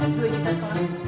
dua juta setengah